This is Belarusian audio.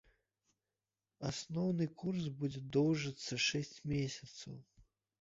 Асноўны курс будзе доўжыцца шэсць месяцаў.